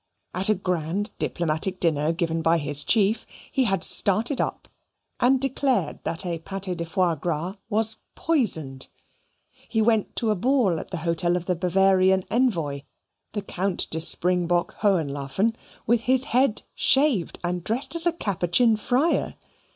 At a grand diplomatic dinner given by his chief, he had started up and declared that a pate de foie gras was poisoned. He went to a ball at the hotel of the Bavarian envoy, the Count de Springbock Hohenlaufen, with his head shaved and dressed as a Capuchin friar.